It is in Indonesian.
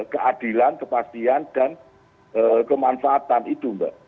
keadilan kepastian dan kemanfaatan itu mbak